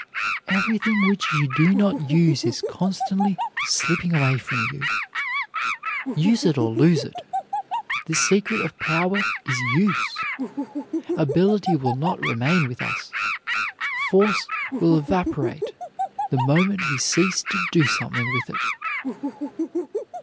Everything which you do not use is constantly slipping away from you. Use it or lose it. The secret of power is use. Ability will not remain with us, force will evaporate the moment we cease to do something with it.